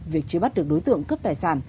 việc truy bắt được đối tượng cướp tài sản